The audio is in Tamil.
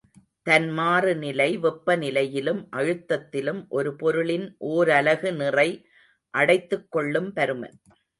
தன் மாறுநிலை வெப்பநிலையிலும் அழுத்தத்திலும் ஒரு பொருளின் ஓரலகு நிறை அடைத்துக் கொள்ளும் பருமன்.